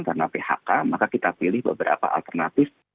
karena phk maka kita pilih beberapa alternatif